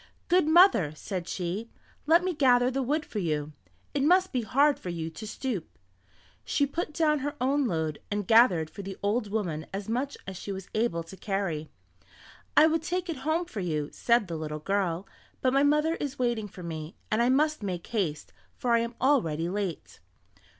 "Good mother," said she, "let me gather the wood for you; it must be hard for you to stoop." She put down her own load, and gathered for the old woman as much as she was able to carry. "I would take it home for you," said the little girl, "but my mother is waiting for me, and I must make haste, for I am already late."